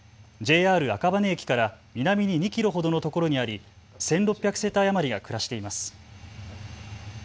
ＪＲ赤羽駅から南に２キロほどのところにあり１６００世帯余りが暮らしています。